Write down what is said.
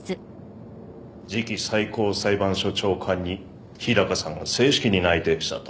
次期最高裁判所長官に日高さんを正式に内定したと。